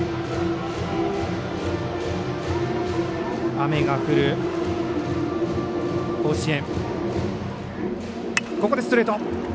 雨が降る甲子園。